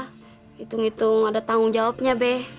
hitung hitung ada tanggung jawabnya b